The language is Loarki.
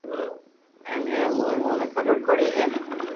ھين اي مون امون ني خبر پڙي ھي